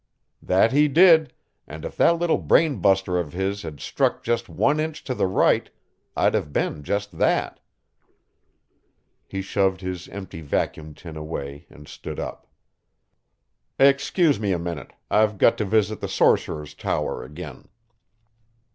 "That he did, and if that little brain buster of his had struck just one inch to the right, I'd have been just that." He shoved his empty vacuum tin away and stood up. "Excuse me a minute I've got to visit the sorcerer's tower again."